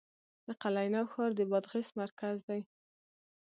د قلعه نو ښار د بادغیس مرکز دی